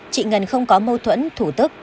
chị ngân không có mâu thuẫn thủ tức